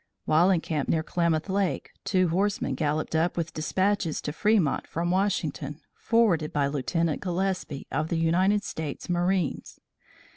While encamped near Klamath Lake, two horsemen galloped up with despatches to Fremont from Washington, forwarded by Lieutenant Gillespie, of the United States Marines.